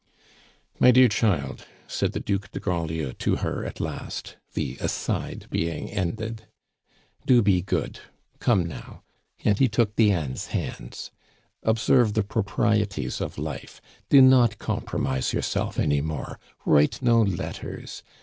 "My dear child," said the Duc de Grandlieu to her at last, the aside being ended, "do be good! Come, now," and he took Diane's hands, "observe the proprieties of life, do not compromise yourself any more, write no letters.